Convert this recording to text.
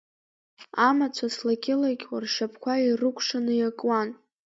Амацәыс лакьы-лакьуа ршьапқәа ирыкәшаны иакуан.